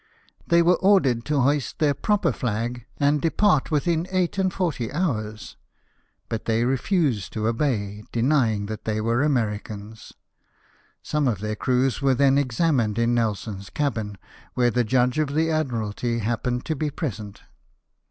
They were ordered to hoist their proper flag, and depart within eight and forty hours ; but they refused to obey, denying that they were Americans. Some of their crews were then examined in Nelson's cabin, where the judge of the Admiralty happened to be present.